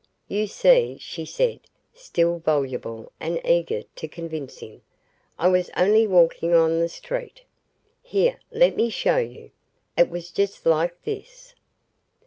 "You see," she said, still voluble and eager to convince him, "I was only walking on the street. Here, let me show you. It was just like this."